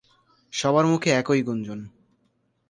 সবার মুখে একই গুঞ্জন।